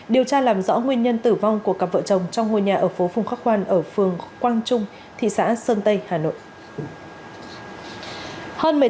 điều tra làm rõ nguyên nhân tử vong của cặp vợ chồng trong ngôi nhà ở phố phùng khắc khoan ở phường quang trung thị xã sơn tây hà nội